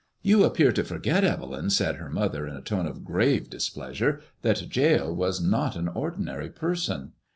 ''You appear to forget, Bve 13m/' said her mother, in a tone of grave displeasure, ''that Jael was not an ordinary person."